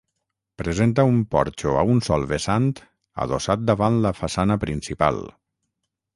Presenta un porxo a un sol vessant adossat davant la façana principal.